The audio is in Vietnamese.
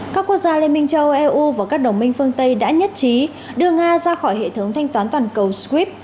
các quốc gia liên minh châu âu eu và các đồng minh phương tây đã nhất trí đưa nga ra khỏi hệ thống thanh toán toàn cầu skrip